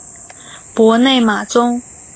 博内马宗。